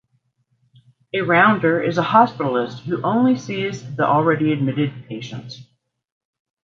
A rounder is a hospitalist who only sees the already admitted patients.